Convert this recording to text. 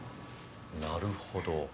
なるほど。